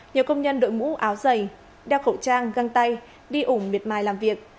nhờ công nhân đội mũ áo dày đeo khẩu trang găng tay đi ủng miệt mài làm việc